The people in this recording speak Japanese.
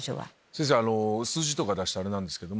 先生数字とか出してあれなんですけど。